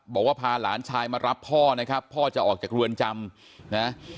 บอกว่าพาหลานชายมารับพ่อนะครับพ่อจะออกจากเรือนจำนะ